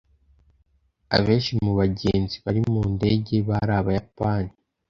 Abenshi mu bagenzi bari mu ndege bari Abayapani.